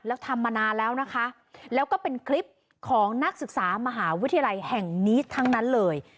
แล้วทำมานานแล้วนะคะแล้วก็เป็นคลิปของนักศึกษามหาวิทยาลัยแห่งนี้ทั้งนั้นเลย